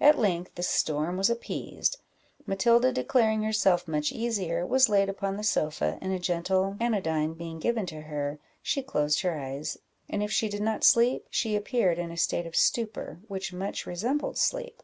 At length the storm was appeased; Matilda, declaring herself much easier, was laid upon the sofa, and a gentle anodyne being given to her, she closed her eyes, and if she did not sleep, she appeared in a state of stupor, which much resembled sleep.